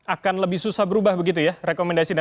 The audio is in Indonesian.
akan lebih susah berubah begitu ya proposal dan rekomendasi ya